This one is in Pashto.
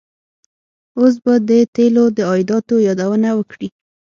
اوس به د تیلو د عایداتو یادونه وکړي.